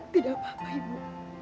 tidak apa apa ibu